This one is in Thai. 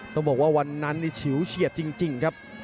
ต้องบอกว่าวันนั้นนี่ฉิวเฉียดจริงครับ